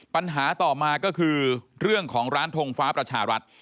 ปัญหาต่อมาก็คือเรื่องของร้านทงฟ้าประชารัฐ